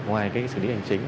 ngoài cái xử lý hành chính